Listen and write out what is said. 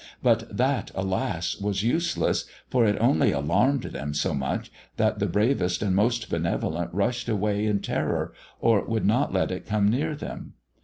But that, alas! was useless, for it only alarmed them so much that the bravest and most benevolent rushed away in terror or would not let it come near them.